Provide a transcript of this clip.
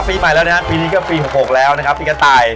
ปีใหม่แล้วนะครับปีนี้ก็ปี๖๖แล้วนะครับปีกระต่าย